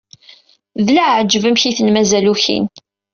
D leɛǧeb amek i ten-mazal ukin.